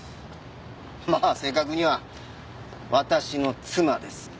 まあ正確には私の妻です。